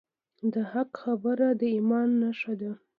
د حق خبره د ایمان نښه ده.